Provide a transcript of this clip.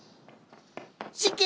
失敬！